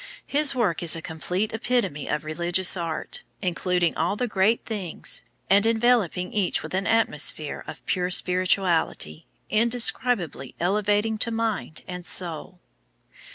His work is a complete epitome of religious art, including all the great themes, and enveloping each with an atmosphere of pure spirituality, indescribably elevating to mind and soul.